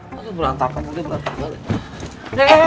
nanti berantakan udah berantakan